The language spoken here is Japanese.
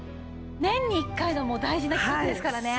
年に一回の大事な企画ですからね。